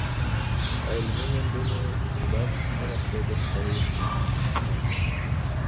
علمي موندنې بايد په سمه توګه خپرې سي.